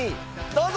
どうぞ！